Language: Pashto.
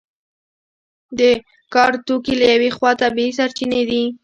د کار توکي له یوې خوا طبیعي سرچینې دي.